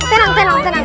tenang tenang tenang